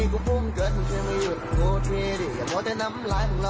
ค่ะ